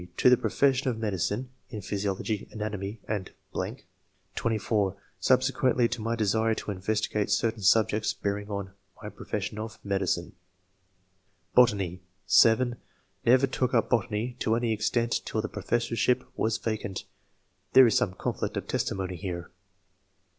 (23) To the profession of medicine [in physiology, anatomy and ....] (24) Subsequently to my desire to investigate certain subjects bearing on [my profession of] medicine. Botany. — (7) Never took up botany to any extent till the professorship was vacant. [There is some conflict of testimony here.